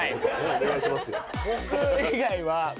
お願いしますよ。